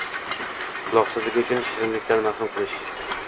Quloqsizligi uchun shirinlikdan mahrum qilish –